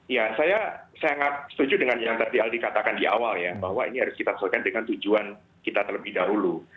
ya saya sangat setuju dengan yang tadi aldi katakan di awal ya bahwa ini harus kita sesuaikan dengan tujuan kita terlebih dahulu